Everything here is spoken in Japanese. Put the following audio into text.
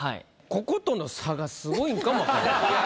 こことの差がスゴイんかも分からん。